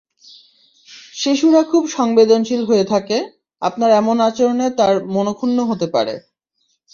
শিশুরা খুব সংবেদনশীল হয়ে থাকে, আপনার এমন আচরণে তার মনঃক্ষুণ্ন হতে পারে।